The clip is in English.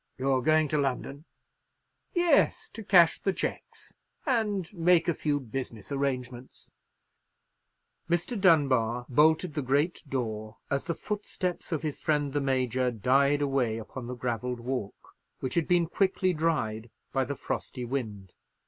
"You're going to London?" "Yes—to cash the cheques, and make a few business arrangements." Mr. Dunbar bolted the great door as the footsteps of his friend the Major died away upon the gravelled walk, which had been quickly dried by the frosty wind.